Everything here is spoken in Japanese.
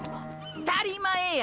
ったり前や！！